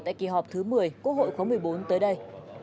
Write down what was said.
tại kỳ họp thứ một mươi quốc hội khóa một mươi bốn tới đây